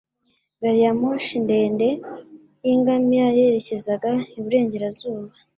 Gari ya moshi ndende yingamiya yerekezaga iburengerazuba.